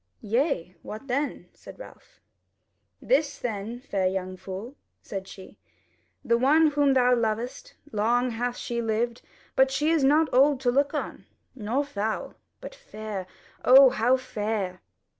"Yea, what then?" said Ralph. "This then, fair young fool," said she: "the one whom thou lovest, long hath she lived, but she is not old to look on, nor foul; but fair O how fair!"